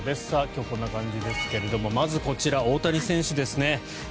今日はこんな感じですけれどもまずこちら大谷選手ですね。